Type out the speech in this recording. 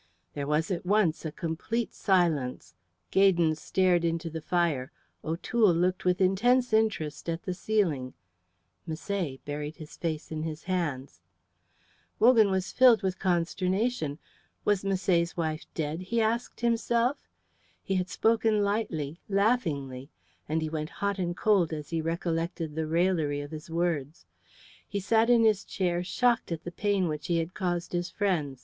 There was at once a complete silence. Gaydon stared into the fire, O'Toole looked with intense interest at the ceiling, Misset buried his face in his hands. Wogan was filled with consternation. Was Misset's wife dead? he asked himself. He had spoken lightly, laughingly, and he went hot and cold as he recollected the raillery of his words. He sat in his chair shocked at the pain which he had caused his friend.